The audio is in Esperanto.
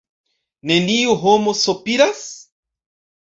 neniu homo sopiras?